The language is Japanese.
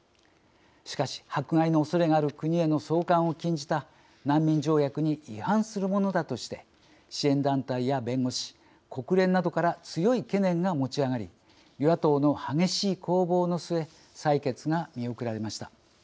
しかし迫害のおそれがある国への送還を禁じた難民条約に違反するものだとして支援団体や弁護士、国連などから強い懸念が持ち上がり与野党の激しい攻防の末採決が見送られました。